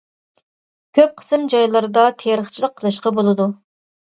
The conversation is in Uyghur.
كۆپ قىسىم جايلىرىدا تېرىقچىلىق قىلىشقا بولىدۇ.